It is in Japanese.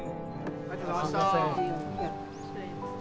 ありがとうございます。